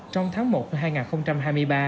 trong tháng một năm hai nghìn hai mươi ba